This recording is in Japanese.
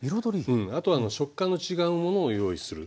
あとは食感の違うものを用意する。